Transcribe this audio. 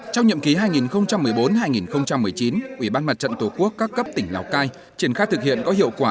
trong nhiệm ký hai nghìn một mươi bốn hai nghìn một mươi chín ủy ban mặt trận tổ quốc các cấp tỉnh lào cai triển khai thực hiện có hiệu quả